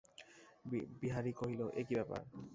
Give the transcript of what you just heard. বিহারী কহিল, এ কী ব্যাপার।